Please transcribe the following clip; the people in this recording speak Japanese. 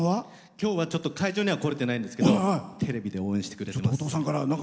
今日、会場には来れてないんですけどテレビで応援してくれてます。